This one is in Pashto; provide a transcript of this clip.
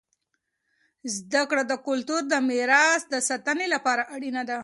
زده کړه د کلتور د میراث د ساتنې لپاره اړینه دی.